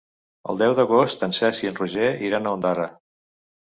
El deu d'agost en Cesc i en Roger iran a Ondara.